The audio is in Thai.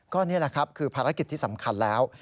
ก็นี่แหละครับคือภารกิจที่สำคัญแล้ว